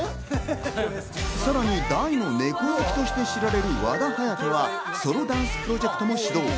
さらに大の猫好きとして知られる和田颯は、ダンスプロジェクトも始動。